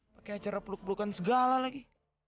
pakai acara peluk pelukan segala lagi